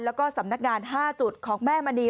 แล้วก็สำนักงาน๕จุดของแม่มณี